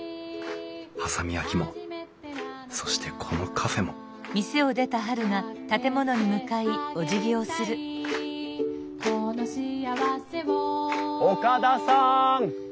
波佐見焼もそしてこのカフェも岡田さん！